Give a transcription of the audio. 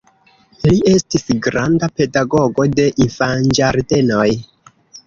Li estis granda pedagogo de infanĝardenoj.